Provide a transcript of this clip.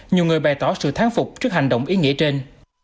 nhiều người bày tỏ sự tháng phục trước hành động ý nghĩa trên